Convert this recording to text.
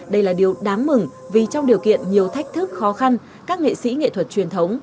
đây là điều đáng mừng vì trong điều kiện nhiều thách thức khó khăn các nghệ sĩ nghệ thuật truyền thống